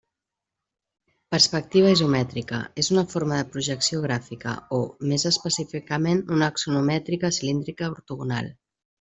Perspectiva isomètrica: és una forma de projecció gràfica o, més específicament, una axonomètrica cilíndrica ortogonal.